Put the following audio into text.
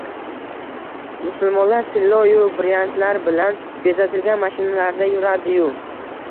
musulmonlar tillo-yu brilliantlar bilan bezatilgan mashinalarda yuradi-yu